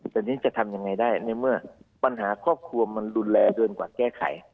แต่นี่จะทำยังไงได้ในเมื่อปัญหาครอบครัวมันรุนแรงเกินกว่าแก้ไข